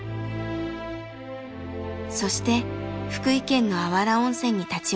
そして福井県の芦原温泉に立ち寄りました。